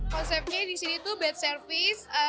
konsepnya di sini tuh bad service tapi good food